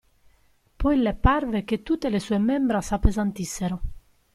Poi le parve che tutte le sue membra s'appesantissero.